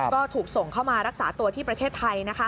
ก็ถูกส่งเข้ามารักษาตัวที่ประเทศไทยนะคะ